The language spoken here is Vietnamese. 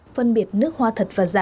phân biệt nước hoa thật và giả